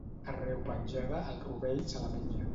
Arreu penjada, el rovell se la menja.